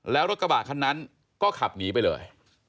แล้วรถกระบะคันนั้นก็ขับหนีไปเลย